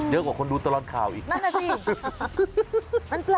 เยอะกว่าคนดูตลอดค่าวอีกนั่นแหละสิ